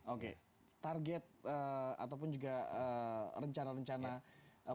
oke target ataupun juga rencana rencana perusahaan lagi